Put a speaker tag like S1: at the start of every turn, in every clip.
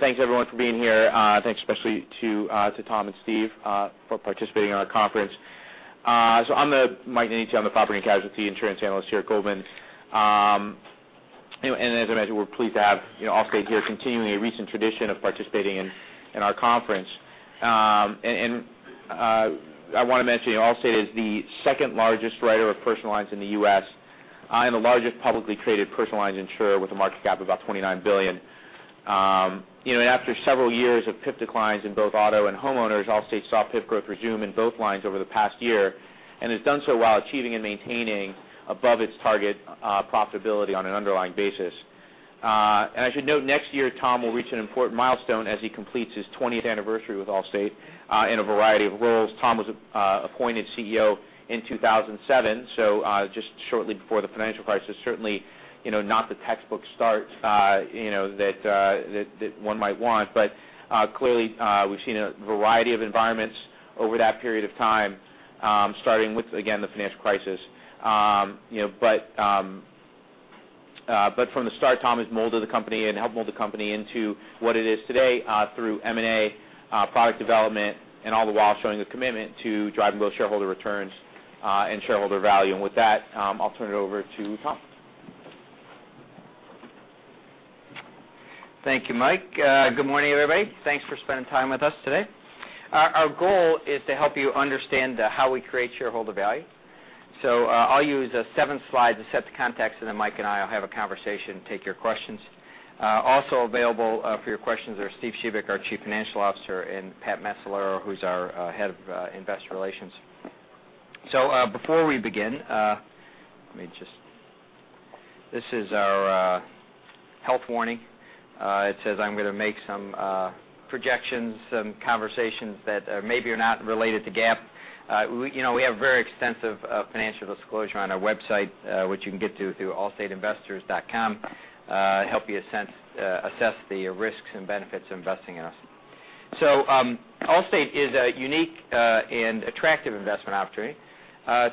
S1: Thanks everyone for being here. Thanks especially to Tom and Steve for participating in our conference. I'm Michael Nannetti, I'm the Property and Casualty Insurance Analyst here at Goldman Sachs. As I mentioned, we're pleased to have Allstate here continuing a recent tradition of participating in our conference. I want to mention, Allstate is the second largest writer of personal lines in the U.S., and the largest publicly traded personal lines insurer with a market cap of about $29 billion. After several years of PIF declines in both auto and home insurance, Allstate saw PIF growth resume in both lines over the past year, and has done so while achieving and maintaining above its target profitability on an underlying basis. I should note, next year, Tom will reach an important milestone as he completes his 20th anniversary with Allstate in a variety of roles. Tom was appointed CEO in 2007, just shortly before the financial crisis. Certainly, not the textbook start that one might want. Clearly, we've seen a variety of environments over that period of time, starting with, again, the financial crisis. From the start, Tom has molded the company and helped mold the company into what it is today through M&A, product development, and all the while showing a commitment to driving both shareholder returns and shareholder value. With that, I'll turn it over to Tom.
S2: Thank you, Mike. Good morning, everybody. Thanks for spending time with us today. Our goal is to help you understand how we create shareholder value. I'll use seven slides to set the context, and then Mike and I will have a conversation, take your questions. Also available for your questions are Steven Shebik, our Chief Financial Officer, and Pat Macellaro, who's our Head of Investor Relations. Before we begin, this is our health warning. It says I'm going to make some projections, some conversations that maybe are not related to GAAP. We have a very extensive financial disclosure on our website which you can get to through allstateinvestors.com, help you assess the risks and benefits of investing in us. Allstate is a unique and attractive investment opportunity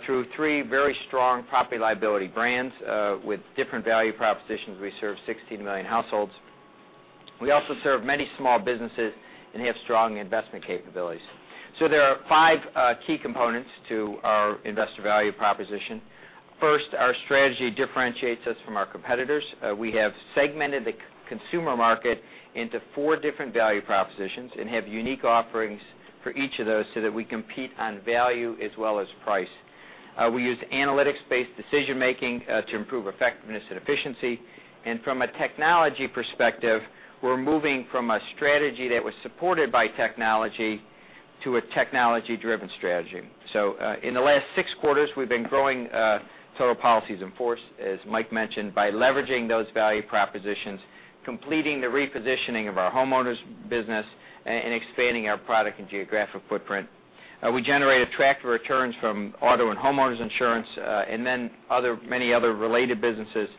S2: through three very strong property liability brands with different value propositions. We serve 16 million households. We also serve many small businesses and have strong investment capabilities. There are five key components to our investor value proposition. First, our strategy differentiates us from our competitors. We have segmented the consumer market into four different value propositions and have unique offerings for each of those so that we compete on value as well as price. We use analytics-based decision making to improve effectiveness and efficiency. From a technology perspective, we're moving from a strategy that was supported by technology to a technology-driven strategy. In the last six quarters, we've been growing total policies in force, as Mike mentioned, by leveraging those value propositions, completing the repositioning of our home insurance business, and expanding our product and geographic footprint. We generate attractive returns from auto and home insurance and then many other related businesses,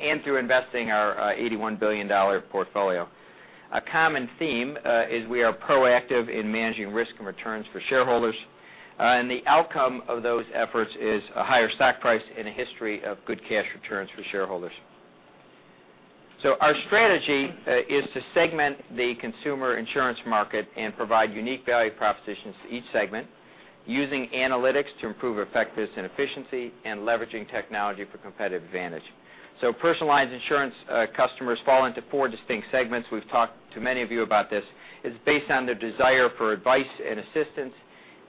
S2: and through investing our $81 billion portfolio. A common theme is we are proactive in managing risk and returns for shareholders. The outcome of those efforts is a higher stock price and a history of good cash returns for shareholders. Our strategy is to segment the consumer insurance market and provide unique value propositions to each segment using analytics to improve effectiveness and efficiency and leveraging technology for competitive advantage. Personalized insurance customers fall into four distinct segments. We've talked to many of you about this. It is based on their desire for advice and assistance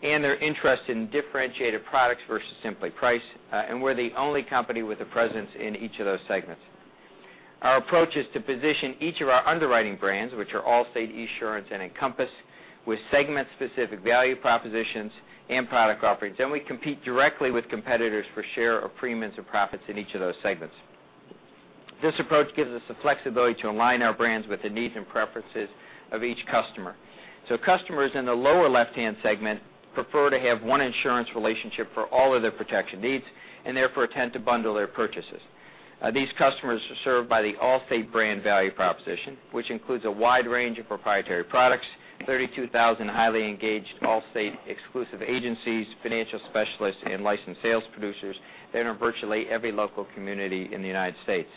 S2: and their interest in differentiated products versus simply price. We are the only company with a presence in each of those segments. Our approach is to position each of our underwriting brands, which are Allstate, Esurance, and Encompass, with segment-specific value propositions and product offerings. We compete directly with competitors for share or premiums or profits in each of those segments. This approach gives us the flexibility to align our brands with the needs and preferences of each customer. Customers in the lower left-hand segment prefer to have one insurance relationship for all of their protection needs, and therefore tend to bundle their purchases. These customers are served by the Allstate brand value proposition, which includes a wide range of proprietary products, 32,000 highly engaged Allstate exclusive agencies, financial specialists, and licensed sales producers that are in virtually every local community in the United States.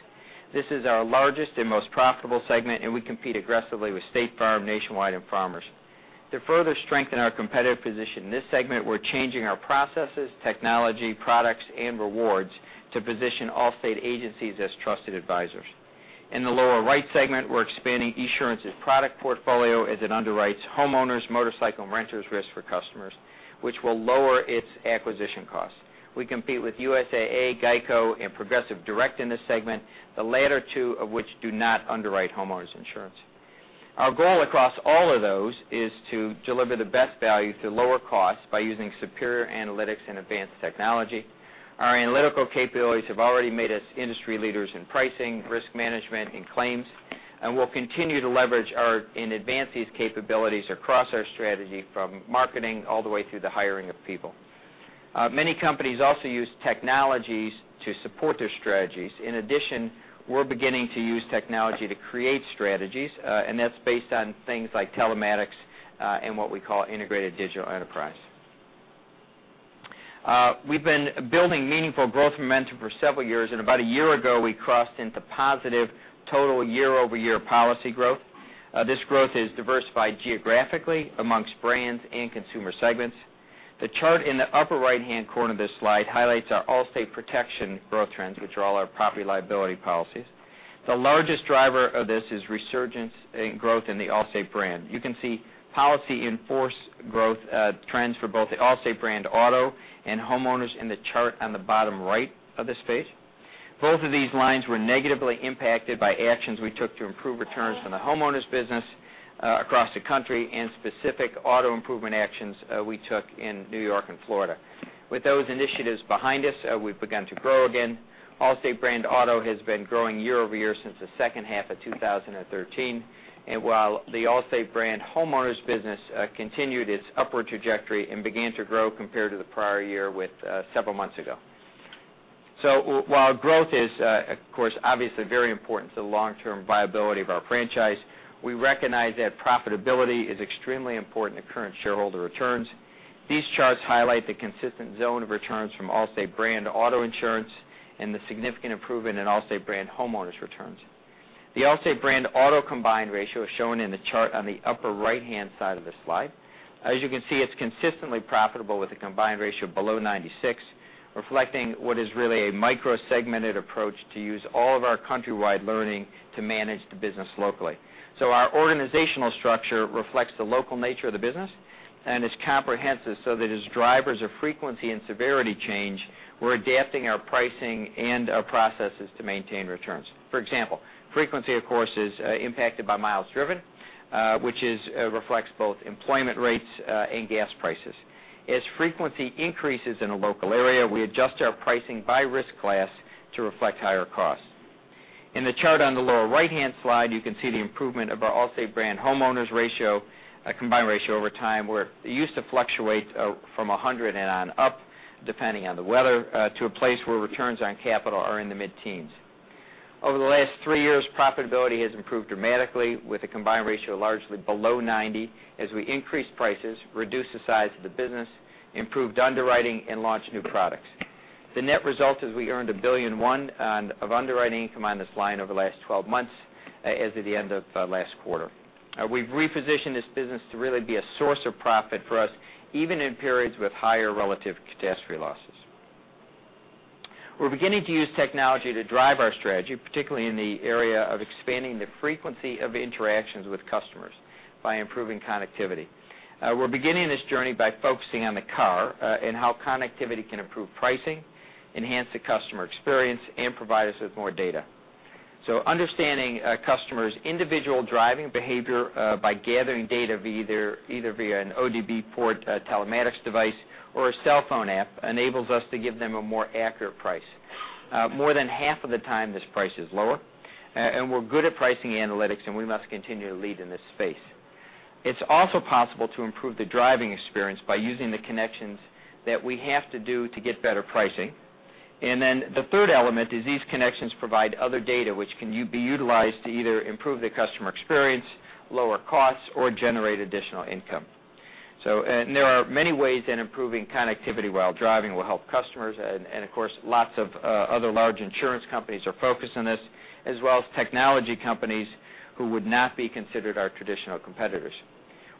S2: This is our largest and most profitable segment. We compete aggressively with State Farm, Nationwide, and Farmers. To further strengthen our competitive position in this segment, we are changing our processes, technology, products, and rewards to position Allstate agencies as trusted advisors. In the lower right segment, we are expanding Esurance's product portfolio as it underwrites homeowners, motorcycle, and renters risk for customers, which will lower its acquisition costs. We compete with USAA, GEICO, and Progressive Direct in this segment, the latter two of which do not underwrite homeowners insurance. Our goal across all of those is to deliver the best value through lower costs by using superior analytics and advanced technology. Our analytical capabilities have already made us industry leaders in pricing, risk management, and claims. We will continue to leverage and advance these capabilities across our strategy from marketing all the way through the hiring of people. Many companies also use technologies to support their strategies. In addition, we are beginning to use technology to create strategies. That is based on things like telematics and what we call integrated digital enterprise. We have been building meaningful growth momentum for several years. About a year ago, we crossed into positive total year-over-year policy growth. This growth is diversified geographically amongst brands and consumer segments. The chart in the upper right-hand corner of this slide highlights our Allstate protection growth trends, which are all our property liability policies. The largest driver of this is resurgence in growth in the Allstate brand. You can see policy in force growth trends for both the Allstate brand auto and homeowners in the chart on the bottom right of this page. Both of these lines were negatively impacted by actions we took to improve returns from the homeowners business across the country and specific auto improvement actions we took in New York and Florida. With those initiatives behind us, we have begun to grow again. Allstate brand auto has been growing year-over-year since the second half of 2013, and while the Allstate brand homeowners business continued its upward trajectory and began to grow compared to the prior year with several months ago. While growth is, of course, obviously very important to the long-term viability of our franchise, we recognize that profitability is extremely important to current shareholder returns. These charts highlight the consistent zone of returns from Allstate brand auto insurance and the significant improvement in Allstate brand homeowners returns. The Allstate brand auto combined ratio is shown in the chart on the upper right-hand side of the slide. As you can see, it's consistently profitable with a combined ratio below 96, reflecting what is really a micro-segmented approach to use all of our countrywide learning to manage the business locally. Our organizational structure reflects the local nature of the business and is comprehensive, so that as drivers of frequency and severity change, we're adapting our pricing and our processes to maintain returns. For example, frequency, of course, is impacted by miles driven, which reflects both employment rates and gas prices. As frequency increases in a local area, we adjust our pricing by risk class to reflect higher costs. In the chart on the lower right-hand slide, you can see the improvement of our Allstate brand homeowners combined ratio over time, where it used to fluctuate from 100 and on up, depending on the weather, to a place where returns on capital are in the mid-teens. Over the last 3 years, profitability has improved dramatically with a combined ratio largely below 90 as we increased prices, reduced the size of the business, improved underwriting, and launched new products. The net result is we earned $1.1 billion of underwriting income on this line over the last 12 months as of the end of last quarter. We've repositioned this business to really be a source of profit for us, even in periods with higher relative catastrophe losses. We're beginning to use technology to drive our strategy, particularly in the area of expanding the frequency of interactions with customers by improving connectivity. We're beginning this journey by focusing on the car and how connectivity can improve pricing, enhance the customer experience, and provide us with more data. Understanding a customer's individual driving behavior by gathering data either via an OBD port telematics device or a cell phone app enables us to give them a more accurate price. More than half of the time, this price is lower, and we're good at pricing analytics, and we must continue to lead in this space. It's also possible to improve the driving experience by using the connections that we have to do to get better pricing. The third element is these connections provide other data which can be utilized to either improve the customer experience, lower costs, or generate additional income. There are many ways that improving connectivity while driving will help customers. Of course, lots of other large insurance companies are focused on this, as well as technology companies who would not be considered our traditional competitors.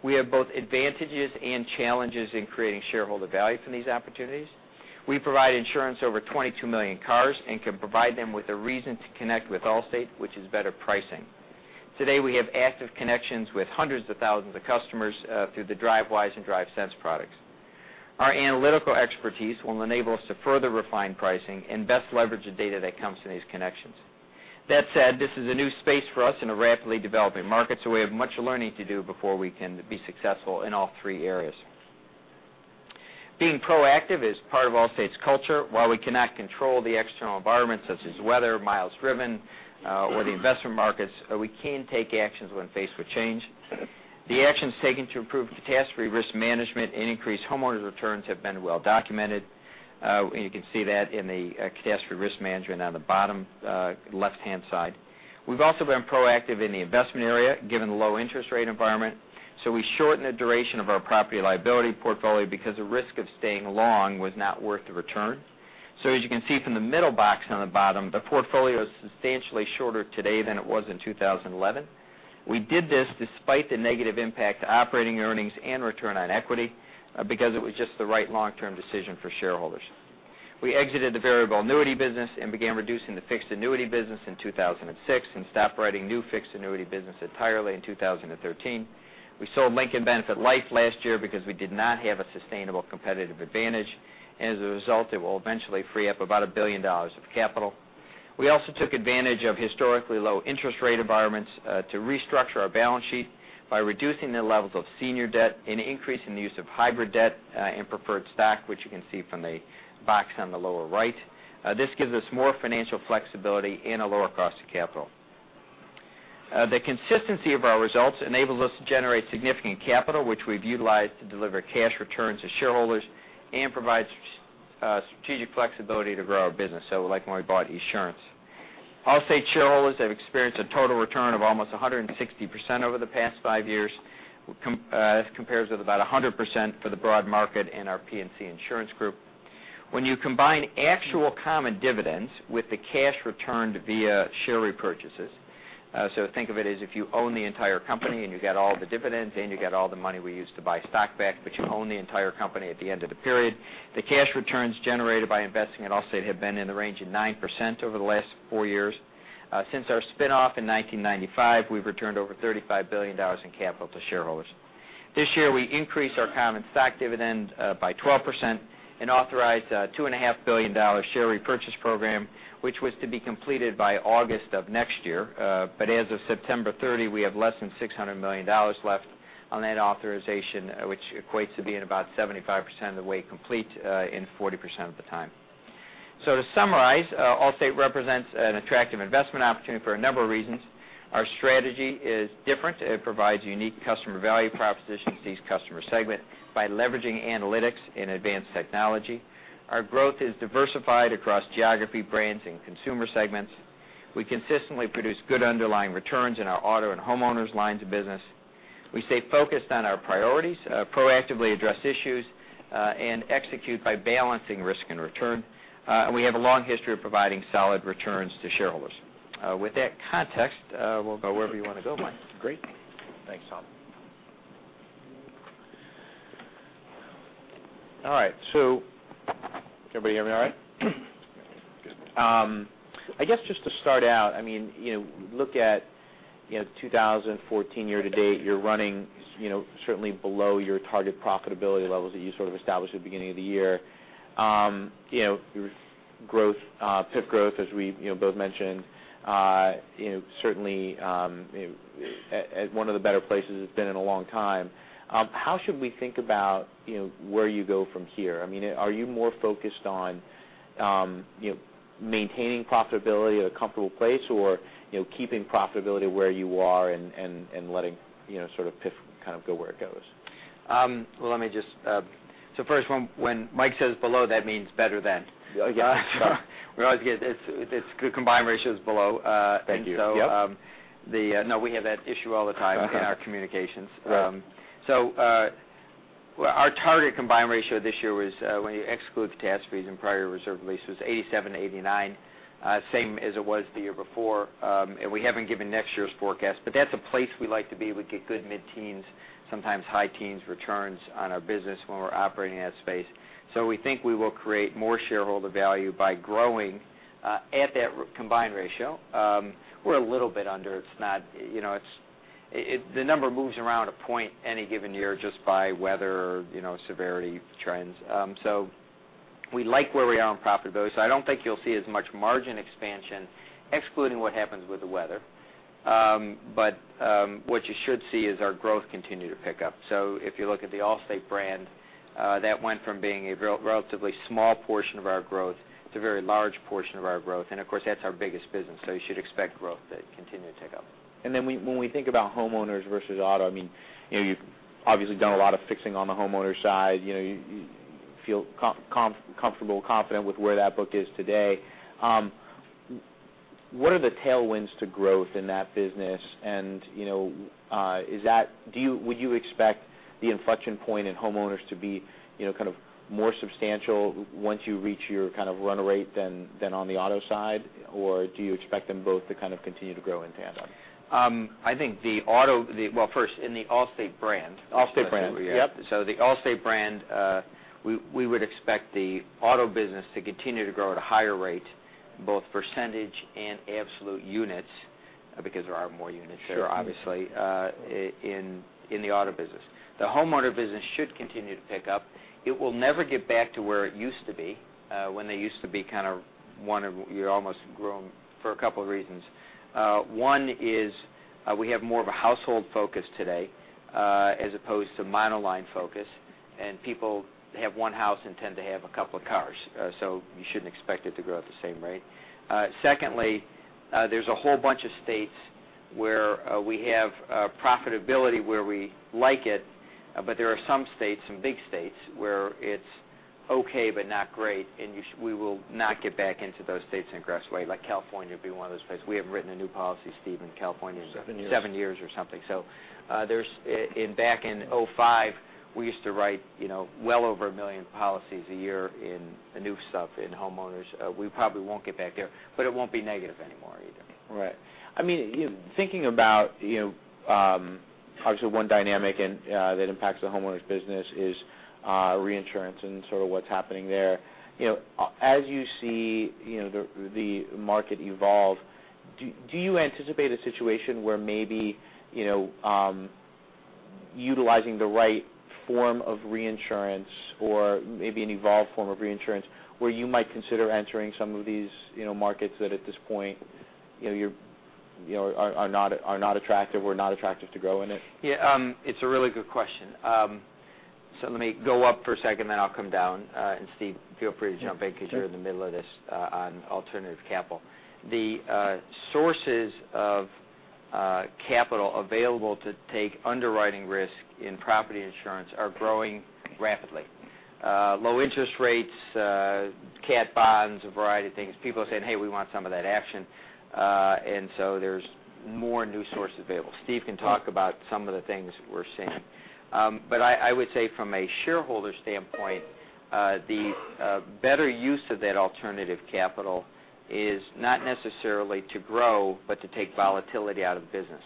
S2: We have both advantages and challenges in creating shareholder value from these opportunities. We provide insurance over 22 million cars and can provide them with a reason to connect with Allstate, which is better pricing. Today, we have active connections with hundreds of thousands of customers through the Drivewise and DriveSense products. Our analytical expertise will enable us to further refine pricing and best leverage the data that comes from these connections. That said, this is a new space for us in a rapidly developing market, so we have much learning to do before we can be successful in all three areas. Being proactive is part of Allstate's culture. While we cannot control the external environment such as weather, miles driven, or the investment markets, we can take actions when faced with change. The actions taken to improve catastrophe risk management and increase homeowners' returns have been well documented. You can see that in the catastrophe risk management on the bottom left-hand side. We've also been proactive in the investment area, given the low interest rate environment, so we shortened the duration of our property liability portfolio because the risk of staying long was not worth the return. As you can see from the middle box on the bottom, the portfolio is substantially shorter today than it was in 2011. We did this despite the negative impact to operating earnings and return on equity because it was just the right long-term decision for shareholders. We exited the variable annuity business and began reducing the fixed annuity business in 2006 and stopped writing new fixed annuity business entirely in 2013. We sold Lincoln Benefit Life last year because we did not have a sustainable competitive advantage, and as a result, it will eventually free up about $1 billion of capital. We also took advantage of historically low interest rate environments to restructure our balance sheet by reducing the levels of senior debt and increasing the use of hybrid debt and preferred stock, which you can see from the box on the lower right. This gives us more financial flexibility and a lower cost of capital. The consistency of our results enabled us to generate significant capital, which we've utilized to deliver cash returns to shareholders and provide strategic flexibility to grow our business, so like when we bought Esurance. Allstate shareholders have experienced a total return of almost 160% over the past five years. This compares with about 100% for the broad market and our P&C insurance group. When you combine actual common dividends with the cash returned via share repurchases, so think of it as if you own the entire company, and you get all the dividends, and you get all the money we use to buy stock back, but you own the entire company at the end of the period, the cash returns generated by investing at Allstate have been in the range of 9% over the last four years. Since our spinoff in 1995, we've returned over $35 billion in capital to shareholders. This year, we increased our common stock dividend by 12% and authorized a $2.5 billion share repurchase program, which was to be completed by August of next year. As of September 30, we have less than $600 million left on that authorization, which equates to being about 75% of the way complete in 40% of the time. To summarize, Allstate represents an attractive investment opportunity for a number of reasons. Our strategy is different. It provides unique customer value propositions to each customer segment by leveraging analytics and advanced technology. Our growth is diversified across geography, brands, and consumer segments. We consistently produce good underlying returns in our auto and homeowners lines of business. We stay focused on our priorities, proactively address issues, and execute by balancing risk and return. We have a long history of providing solid returns to shareholders. With that context, we'll go wherever you want to go, Mike.
S1: Great. Thanks, Tom. All right. Can everybody hear me all right? Good. I guess just to start out, look at 2014 year-to-date. You're running certainly below your target profitability levels that you established at the beginning of the year. Your PIF growth, as we both mentioned, certainly at one of the better places it's been in a long time. How should we think about where you go from here? Are you more focused on maintaining profitability at a comfortable place or keeping profitability where you are and letting PIF go where it goes?
S2: First, when Mike says below, that means better than.
S1: Yeah.
S2: We always get it. It's the combined ratio is below.
S1: Thank you. Yep.
S2: No, we have that issue all the time in our communications.
S1: Right.
S2: Our target combined ratio this year was, when you exclude catastrophes and prior reserve releases, 87%-89%. Same as it was the year before. We haven't given next year's forecast, but that's a place we like to be. We get good mid-teens, sometimes high teens returns on our business when we're operating in that space. We think we will create more shareholder value by growing at that combined ratio. We're a little bit under. The number moves around a point any given year just by weather, severity trends. We like where we are on profitability. I don't think you'll see as much margin expansion, excluding what happens with the weather. What you should see is our growth continue to pick up. If you look at the Allstate brand, that went from being a relatively small portion of our growth to a very large portion of our growth. Of course, that's our biggest business, you should expect growth to continue to tick up.
S1: When we think about homeowner versus auto, you've obviously done a lot of fixing on the homeowner side. You feel comfortable, confident with where that book is today. What are the tailwinds to growth in that business? Would you expect the inflection point in homeowner to be more substantial once you reach your run rate than on the auto side? Do you expect them both to continue to grow in tandem?
S2: First, in the Allstate brand.
S1: Allstate brand. Yep.
S2: The Allstate brand, we would expect the auto business to continue to grow at a higher rate, both percentage and absolute units, because there are more units there, obviously, in the auto business. The homeowner business should continue to pick up. It will never get back to where it used to be, when they used to be one of your almost growing for a couple of reasons. One is we have more of a household focus today as opposed to monoline focus, and people have one house and tend to have a couple of cars. You shouldn't expect it to grow at the same rate. Secondly, there's a whole bunch of states where we have profitability where we like it, but there are some states, some big states, where it's okay but not great, and we will not get back into those states in aggressive way. Like California would be one of those places. We haven't written a new policy, Steve, in California in-
S3: Seven years
S2: Seven years or something. Back in 2005, we used to write well over a million policies a year in the new stuff in homeowners. We probably won't get back there, but it won't be negative anymore either.
S1: Right. Thinking about, obviously, one dynamic that impacts the homeowners' business is reinsurance and what's happening there. As you see the market evolve, do you anticipate a situation where maybe utilizing the right form of reinsurance or maybe an evolved form of reinsurance where you might consider entering some of these markets that at this point are not attractive or not attractive to grow in it?
S2: Yeah. It's a really good question. Let me go up for a second, then I'll come down. Steve, feel free to jump in because you're in the middle of this on alternative capital. The sources of Capital available to take underwriting risk in property insurance are growing rapidly. Low interest rates, cat bonds, a variety of things. People are saying, "Hey, we want some of that action." There's more new sources available. Steve can talk about some of the things we're seeing. I would say from a shareholder standpoint, the better use of that alternative capital is not necessarily to grow, but to take volatility out of the business.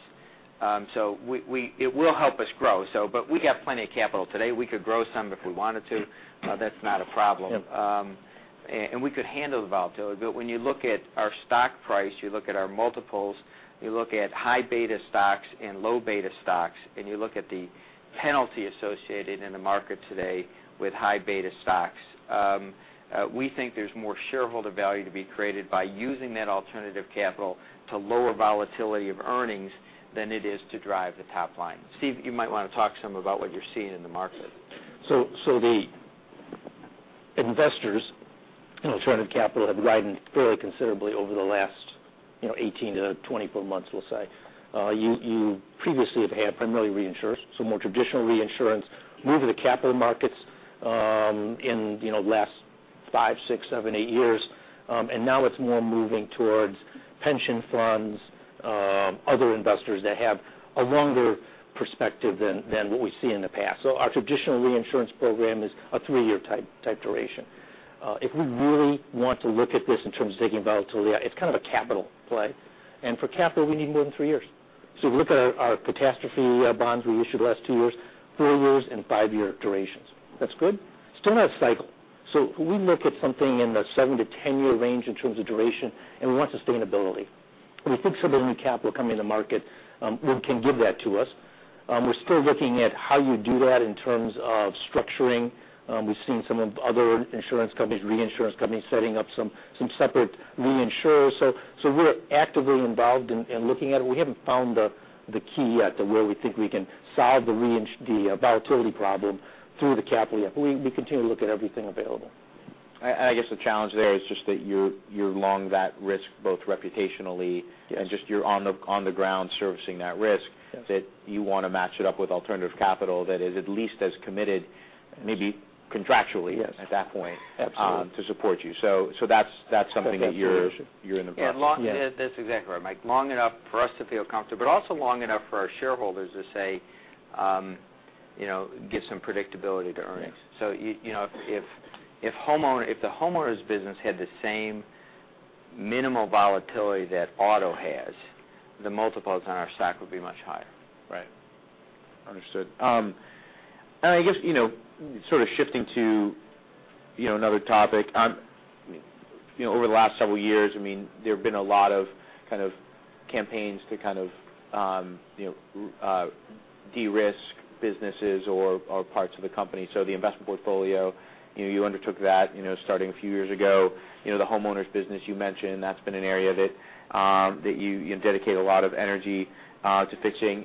S2: It will help us grow, but we got plenty of capital today. We could grow some if we wanted to. That's not a problem.
S1: Yep.
S2: We could handle the volatility, when you look at our stock price, you look at our multiples, you look at high beta stocks and low beta stocks, you look at the penalty associated in the market today with high beta stocks, we think there's more shareholder value to be created by using that alternative capital to lower volatility of earnings than it is to drive the top line. Steve, you might want to talk some about what you're seeing in the market.
S3: The investors in alternative capital have risen fairly considerably over the last 18-24 months, we'll say. You previously have had primarily reinsurance, more traditional reinsurance, move to the capital markets in the last five, six, seven, eight years. Now it's more moving towards pension funds, other investors that have a longer perspective than what we see in the past. Our traditional reinsurance program is a 3-year type duration. If we really want to look at this in terms of taking volatility out, it's kind of a capital play. For capital, we need more than three years. If you look at our catastrophe bonds we issued the last two years, four years and five-year durations. That's good. Still not cycle. We look at something in the 7 to 10-year range in terms of duration, and we want sustainability. We think some of the new capital coming in the market can give that to us. We're still looking at how you do that in terms of structuring. We've seen some other insurance companies, reinsurance companies, setting up some separate reinsurers. We're actively involved in looking at it. We haven't found the key yet to where we think we can solve the volatility problem through the capital yet, we continue to look at everything available.
S1: I guess the challenge there is just that you're long that risk both reputationally and just you're on the ground servicing that risk, that you want to match it up with alternative capital that is at least as committed, maybe contractually-
S2: Yes
S1: at that point-
S2: Absolutely
S1: To support you. That's something that you're in the process.
S3: That's the duration. Yeah.
S2: That's exactly right, Mike. Long enough for us to feel comfortable, but also long enough for our shareholders to say, "Give some predictability to earnings. Yes. If the homeowners business had the same minimal volatility that auto has, the multiples on our stock would be much higher.
S1: Right. Understood. I guess, sort of shifting to another topic. Over the last several years, there have been a lot of campaigns to kind of de-risk businesses or parts of the company. The investment portfolio, you undertook that starting a few years ago. The homeowners business you mentioned, that's been an area that you dedicate a lot of energy to fixing.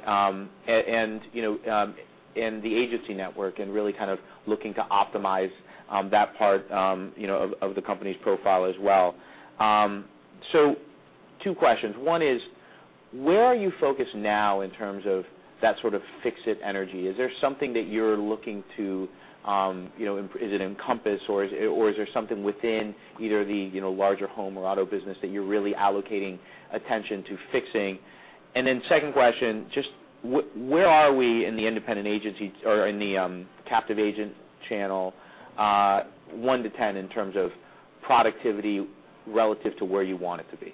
S1: The agency network and really kind of looking to optimize that part of the company's profile as well. Two questions. One is, where are you focused now in terms of that sort of fix-it energy? Is there something that you're looking to, is it Encompass or is there something within either the larger home or auto business that you're really allocating attention to fixing? Second question, just where are we in the independent agency or in the captive agent channel, one to 10 in terms of productivity relative to where you want it to be?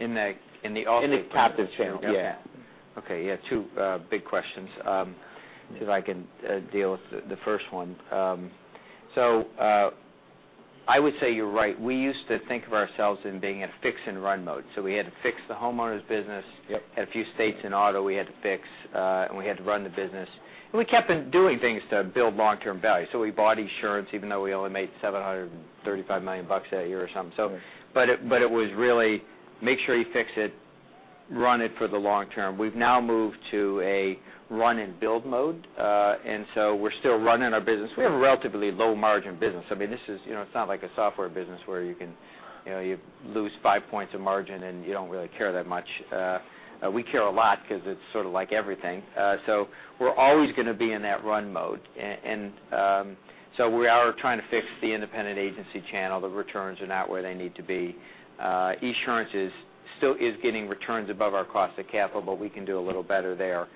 S2: In the Allstate channel.
S1: In the captive channel. Yeah.
S2: Okay. Yeah. Two big questions. If I can deal with the first one. I would say you're right. We used to think of ourselves in being in a fix and run mode. We had to fix the homeowners business.
S1: Yep.
S2: Had a few states in auto we had to fix, we had to run the business. We kept doing things to build long-term value. We bought Esurance even though we only made $735 million that year or something.
S1: Right.
S2: It was really make sure you fix it, run it for the long term. We've now moved to a run and build mode. We're still running our business. We have a relatively low margin business. It's not like a software business where you lose five points of margin and you don't really care that much. We care a lot because it's sort of like everything. We're always going to be in that run mode. We are trying to fix the independent agency channel. The returns are not where they need to be. Esurance is getting returns above our cost of capital, but we can do a little better there.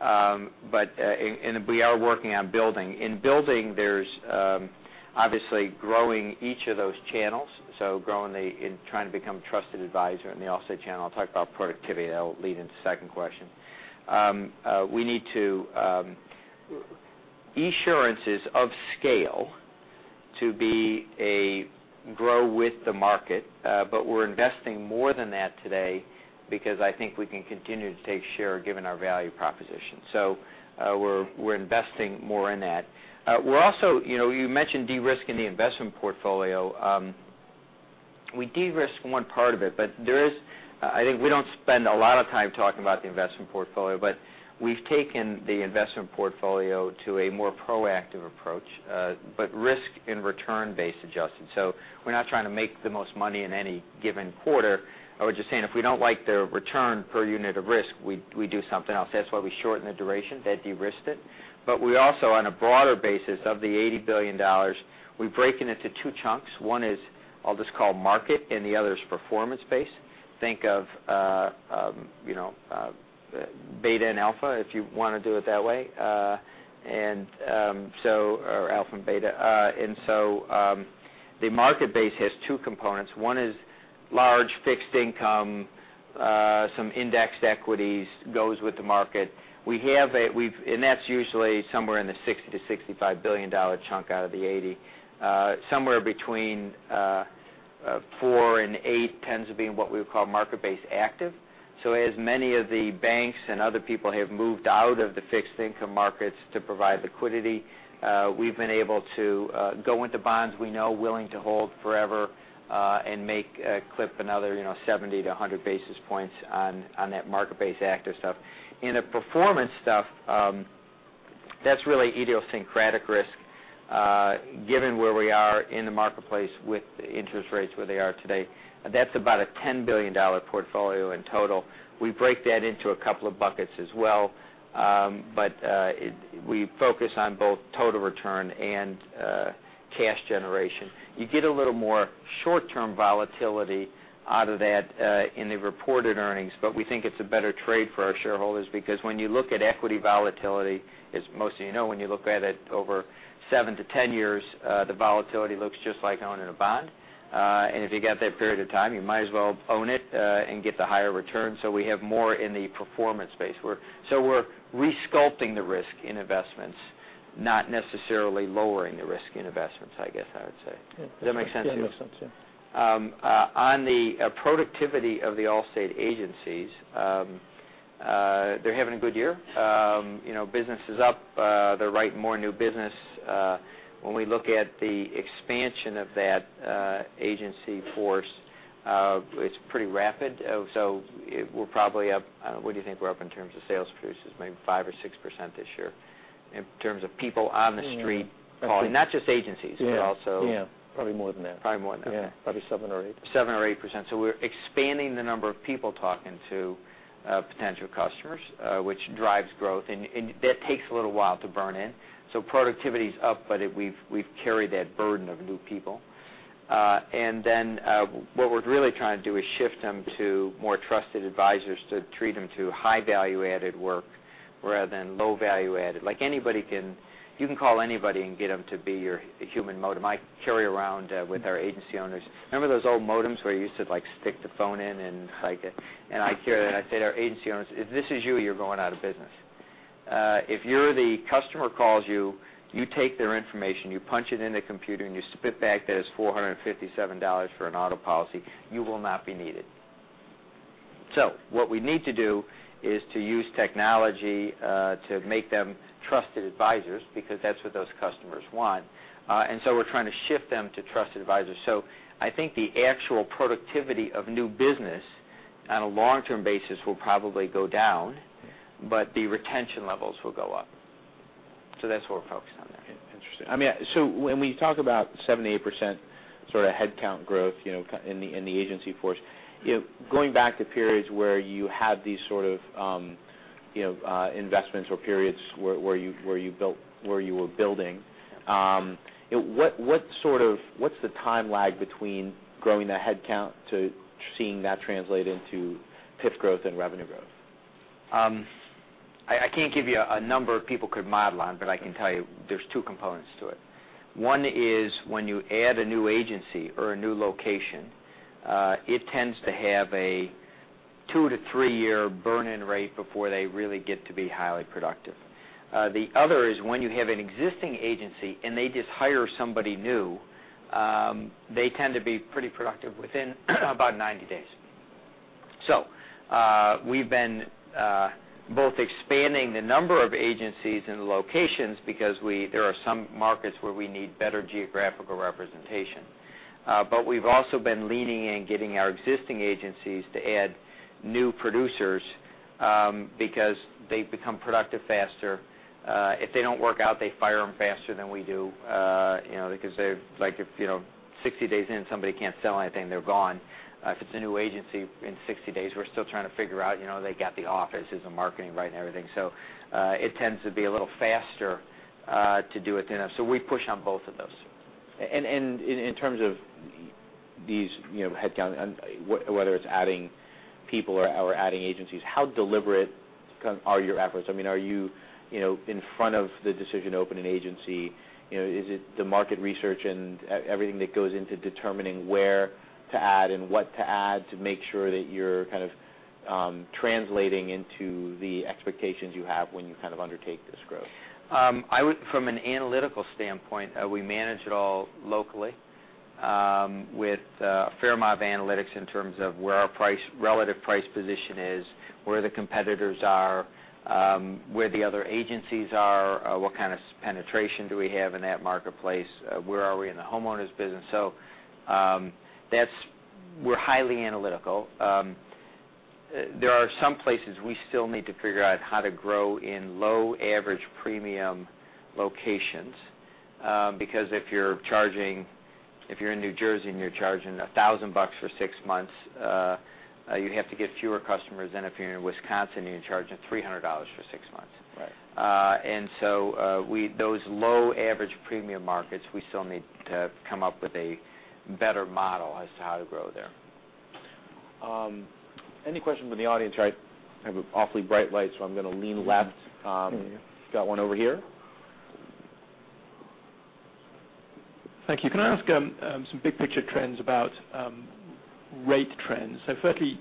S2: We are working on building. In building, there's obviously growing each of those channels, growing in trying to become a trusted advisor in the Allstate channel. I'll talk about productivity. That'll lead into the second question. Esurance is of scale to grow with the market. We're investing more than that today because I think we can continue to take share given our value proposition. We're investing more in that. You mentioned de-risk in the investment portfolio. We de-risk one part of it. I think we don't spend a lot of time talking about the investment portfolio, but we've taken the investment portfolio to a more proactive approach, but risk and return-based adjusted. We're not trying to make the most money in any given quarter. I was just saying, if we don't like the return per unit of risk, we do something else. That's why we shorten the duration, that de-risked it. We also, on a broader basis, of the $80 billion, we break it into two chunks. One is, I'll just call market, and the other is performance-based. Think of beta and alpha, if you want to do it that way. Alpha and beta. The market base has two components. One is large fixed income, some indexed equities, goes with the market. That's usually somewhere in the $60 billion-$65 billion chunk out of the 80. Somewhere between four and eight tends to be in what we would call market base active. As many of the banks and other people have moved out of the fixed income markets to provide liquidity, we've been able to go into bonds we know, willing to hold forever, and clip another 70 to 100 basis points on that market base active stuff. In the performance stuff, that's really idiosyncratic risk, given where we are in the marketplace with interest rates where they are today. That's about a $10 billion portfolio in total. We break that into a couple of buckets as well. We focus on both total return and cash generation. You get a little more short-term volatility out of that in the reported earnings. We think it's a better trade for our shareholders because when you look at equity volatility, as most of you know, when you look at it over seven to 10 years, the volatility looks just like owning a bond. If you got that period of time, you might as well own it and get the higher return. We have more in the performance space. We're re-sculpting the risk in investments, not necessarily lowering the risk in investments, I guess I would say. Does that make sense to you?
S1: Yeah, that makes sense. Yeah.
S2: On the productivity of the Allstate agencies, they're having a good year. Business is up. They're writing more new business. When we look at the expansion of that agency force, it's pretty rapid. We're probably up, what do you think we're up in terms of sales producers? Maybe five or six% this year. In terms of people on the street calling, not just agencies.
S1: Yeah.
S2: We're also-
S3: Yeah, probably more than that. Probably more than that. Yeah. Probably seven or eight.
S2: 7 or 8%. We're expanding the number of people talking to potential customers, which drives growth, and that takes a little while to burn in. Productivity's up, but we've carried that burden of new people. What we're really trying to do is shift them to more trusted advisors to treat them to high value-added work rather than low value-added. You can call anybody and get them to be your human modem. I carry around with our agency owners. Remember those old modems where you used to stick the phone in and it's like it I carry that, and I said to our agency owners, "If this is you're going out of business. If you're the customer calls you take their information, you punch it in the computer, and you spit back that it's $457 for an auto policy, you will not be needed. What we need to do is to use technology to make them trusted advisors because that's what those customers want. We're trying to shift them to trusted advisors. I think the actual productivity of new business on a long-term basis will probably go down.
S1: Yeah.
S2: The retention levels will go up. That's what we're focused on there.
S1: Yeah, interesting. When we talk about 7%-8% sort of headcount growth in the agency force, going back to periods where you had these sort of investments or periods where you were building, what's the time lag between growing that headcount to seeing that translate into PIF growth and revenue growth?
S2: I can't give you a number people could model on, but I can tell you there's two components to it. One is when you add a new agency or a new location, it tends to have a two to three-year burn-in rate before they really get to be highly productive. The other is when you have an existing agency and they just hire somebody new, they tend to be pretty productive within about 90 days. We've been both expanding the number of agencies and locations because there are some markets where we need better geographical representation. We've also been leaning in getting our existing agencies to add new producers because they become productive faster. If they don't work out, they fire them faster than we do. If 60 days in, somebody can't sell anything, they're gone. If it's a new agency in 60 days, we're still trying to figure out, they got the offices and marketing right and everything. It tends to be a little faster to do it. We push on both of those.
S1: In terms of these headcount, whether it's adding people or adding agencies, how deliberate are your efforts? Are you in front of the decision to open an agency? Is it the market research and everything that goes into determining where to add and what to add to make sure that you're kind of translating into the expectations you have when you kind of undertake this growth?
S2: From an analytical standpoint, we manage it all locally with a fair amount of analytics in terms of where our relative price position is, where the competitors are, where the other agencies are, what kind of penetration do we have in that marketplace, where are we in the homeowners business. We're highly analytical. There are some places we still need to figure out how to grow in low average premium locations. Because if you're in New Jersey and you're charging $1,000 for 6 months, you'd have to get fewer customers than if you're in Wisconsin, and you're charging $300 for 6 months.
S1: Right.
S2: Those low average premium markets, we still need to come up with a better model as to how to grow there.
S1: Any questions from the audience? I have an awfully bright light, so I'm going to lean left. Got one over here.
S4: Thank you. Can I ask some big picture trends about rate trends? Firstly,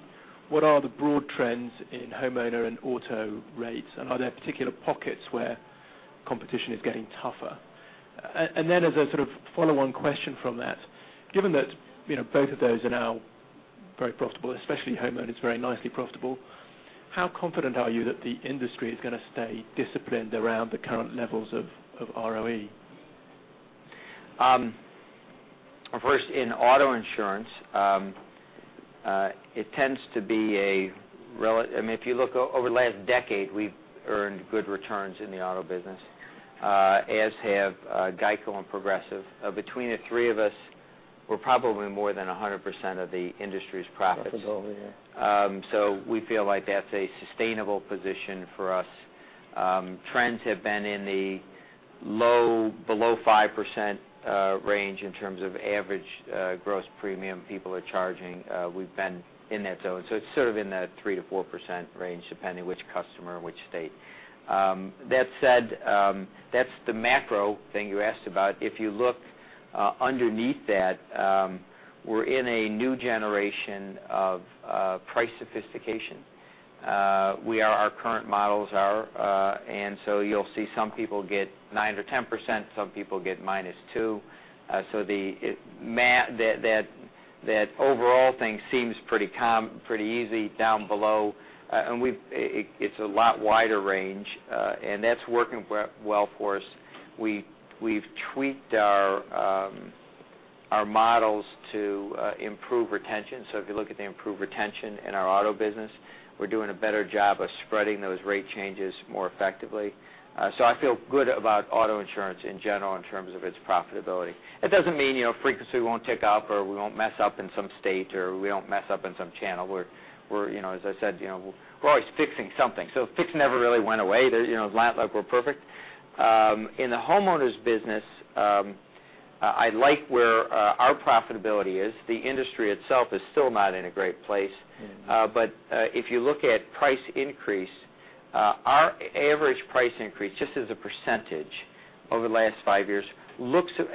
S4: what are the broad trends in homeowner and auto rates, and are there particular pockets where competition is getting tougher? As a sort of follow-on question from that, given that both of those are now very profitable, especially homeowner's very nicely profitable, how confident are you that the industry is going to stay disciplined around the current levels of ROE?
S2: First, in auto insurance, if you look over the last decade, we've earned good returns in the auto business, as have GEICO and Progressive. Between the three of us, we're probably more than 100% of the industry's profits.
S1: Profits over, yeah.
S2: We feel like that's a sustainable position for us. Trends have been in the below 5% range in terms of average gross premium people are charging. We've been in that zone. It's sort of in the 3%-4% range, depending which customer, which state. That said, that's the macro thing you asked about. If you look underneath that, we're in a new generation of price sophistication. Our current models are, and you'll see some people get 9% or 10%, some people get minus 2%. That overall thing seems pretty easy down below, and it's a lot wider range. That's working well for us. We've tweaked our models to improve retention. If you look at the improved retention in our auto business, we're doing a better job of spreading those rate changes more effectively. I feel good about auto insurance in general in terms of its profitability. It doesn't mean frequency won't tick up or we won't mess up in some state, or we don't mess up in some channel. As I said, we're always fixing something. Fix never really went away, like we're perfect. In the homeowners business, I like where our profitability is. The industry itself is still not in a great place. If you look at price increase, our average price increase, just as a percentage over the last five years,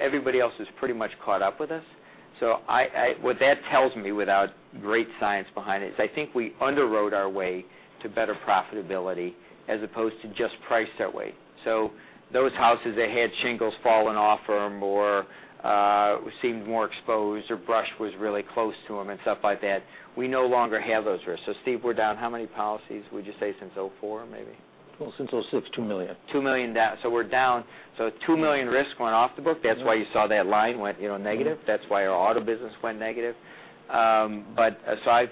S2: everybody else has pretty much caught up with us. What that tells me, without great science behind it, is I think we underwrote our way to better profitability as opposed to just price our way. Those houses that had shingles fallen off or seemed more exposed or brush was really close to them and stuff like that, we no longer have those risks. Steve, we're down how many policies, would you say, since 2004, maybe?
S3: Well, since 2006, 2 million.
S2: $2 million. $2 million risks went off the book. That's why you saw that line went negative. That's why our auto business went negative. I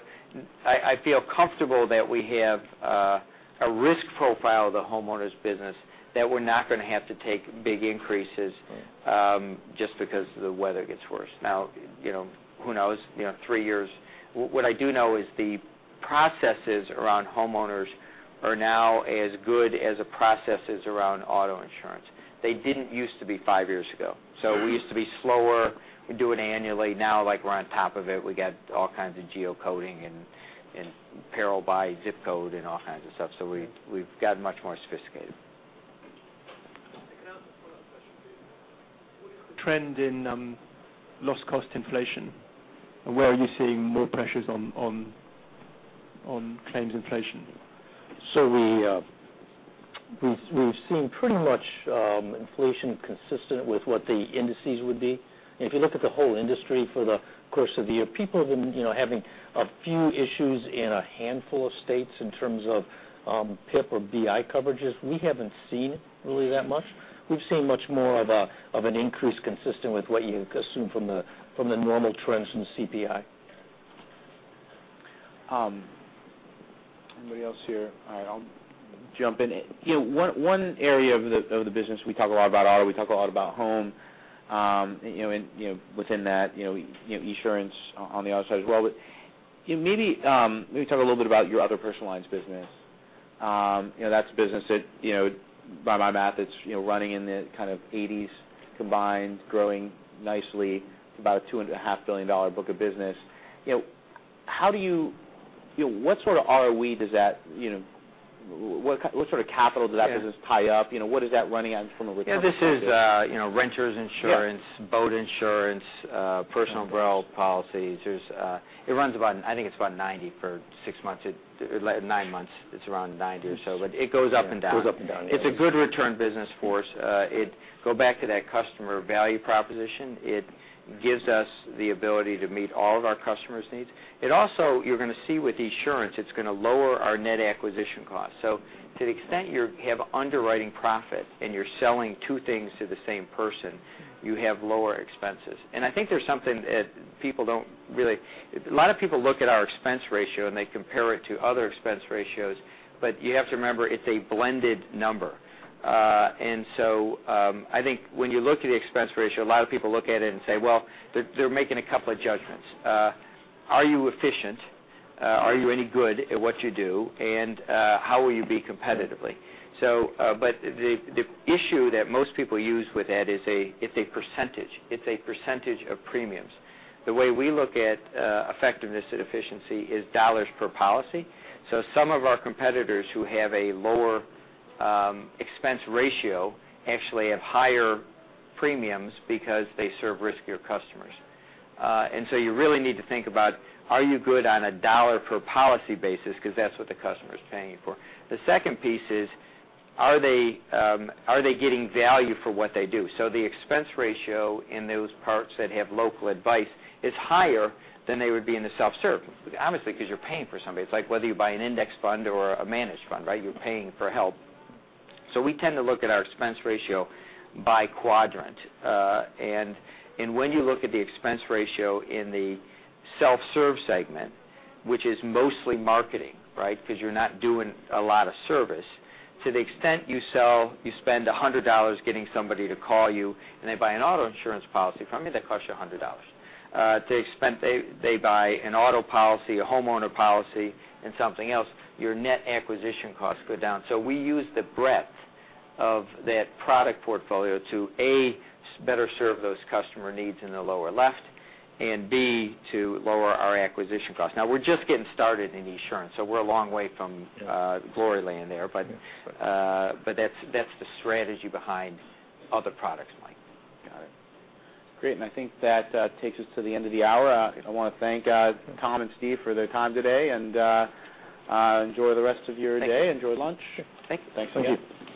S2: feel comfortable that we have a risk profile of the homeowners business that we're not going to have to take big increases just because the weather gets worse. Now, who knows? Three years. What I do know is the processes around homeowners are now as good as the processes around auto insurance. They didn't used to be five years ago. We used to be slower. We'd do it annually. Now, we're on top of it. We got all kinds of geocoding and peril by ZIP code and all kinds of stuff. We've gotten much more sophisticated.
S4: Can I ask a follow-up question, please? What is the trend in loss cost inflation, and where are you seeing more pressures on claims inflation?
S1: We've seen pretty much inflation consistent with what the indices would be. If you look at the whole industry for the course of the year, people have been having a few issues in a handful of states in terms of PIP or BI coverages. We haven't seen really that much. We've seen much more of an increase consistent with what you assume from the normal trends in the CPI. Anybody else here? All right, I'll jump in. One area of the business, we talk a lot about auto, we talk a lot about home, within that, Esurance on the auto side as well. Maybe talk a little bit about your other personal lines business. That's a business that, by my math, it's running in the kind of 80s combined, growing nicely, about a $2.5 billion book of business. What sort of capital does that business tie up? What is that running at from a return perspective?
S2: This is renters insurance.
S1: Yeah
S2: boat insurance, personal umbrella policies. It runs about, I think it's about $90 for six months. Nine months, it's around $90 or so. It goes up and down.
S1: It goes up and down, yeah.
S2: It's a good return business for us. Go back to that customer value proposition. It gives us the ability to meet all of our customers' needs. It also, you're going to see with Esurance, Our net acquisition costs. To the extent you have underwriting profit and you're selling two things to the same person, you have lower expenses. I think there's something that A lot of people look at our expense ratio and they compare it to other expense ratios, but you have to remember, it's a blended number. I think when you look at the expense ratio, a lot of people look at it and say, well, they're making a couple of judgments. Are you efficient? Are you any good at what you do? How will you be competitively? The issue that most people use with that is it's a percentage of premiums. The way we look at effectiveness and efficiency is dollars per policy. Some of our competitors who have a lower expense ratio actually have higher premiums because they serve riskier customers. You really need to think about, are you good on a dollar per policy basis, because that's what the customer's paying for. The second piece is, are they getting value for what they do? The expense ratio in those parts that have local advice is higher than they would be in the self-serve, obviously, because you're paying for somebody. It's like whether you buy an index fund or a managed fund, right? You're paying for help. We tend to look at our expense ratio by quadrant. When you look at the expense ratio in the self-serve segment, which is mostly marketing, right? Because you're not doing a lot of service. To the extent you sell, you spend $100 getting somebody to call you, and they buy an auto Esurance policy from you, that costs you $100. They buy an auto policy, a homeowner policy, and something else, your net acquisition costs go down. We use the breadth of that product portfolio to, A, better serve those customer needs in the lower left, and B, to lower our acquisition costs. Now we're just getting started in Esurance, so we're a long way from glory land there. That's the strategy behind other products, Mike.
S1: Got it. Great. I think that takes us to the end of the hour. I want to thank Tom and Steve for their time today, and enjoy the rest of your day.
S2: Thank you.
S1: Enjoy lunch.
S2: Sure. Thank you.
S1: Thanks again.